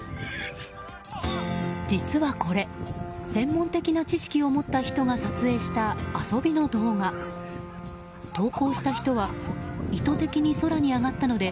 実はこれ、専門的な知識を持った人が撮影した遊びの動画。投稿した人は意図的に空に上がったので